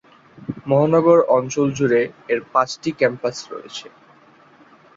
মহানগর অঞ্চল জুড়ে এর পাঁচটি ক্যাম্পাস রয়েছে।